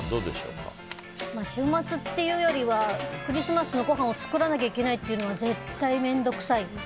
週末っていうよりはクリスマスのごはんを作らなきゃいけないというのが絶対面倒くさい。